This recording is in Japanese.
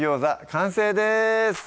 完成です